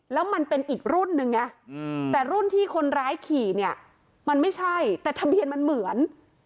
แล้วมันเป็นอีกรุ่นหนึ่งไงแต่รุ่นที่คนร้ายขี่เนี่ยมันไม่ใช่แต่ทะเบียนมันเหมือน